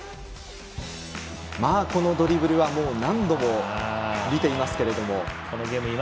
このドリブルは何度も見ていますけれども。